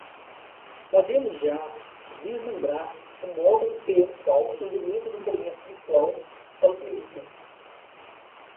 Podemos já vislumbrar o modo pelo qual o surgimento do comércio virtual possibilita